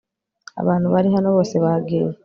abantu bari hano bose bagiye